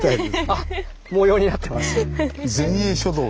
あっ模様になってます。